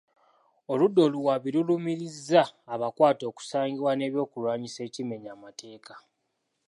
Oludda oluwaabi lulumiriza abakwate okusangibwa n’ebyokulwanyisa ekimenya amateeka.